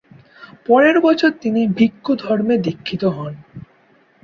পরের বছর তিনি ভিক্ষু ধর্মে দীক্ষিত হন।